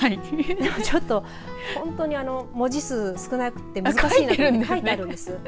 でも、ちょっと本当に文字数が少なくて難しいなと思って書いてあるんです。